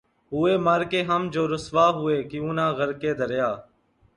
ہوئے مر کے ہم جو رسوا ہوئے کیوں نہ غرقِ دریا